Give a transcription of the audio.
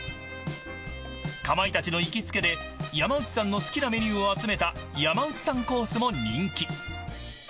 かまいたちの行きつけで山内さんの好きなメニューを集めた山内さんコースも人気。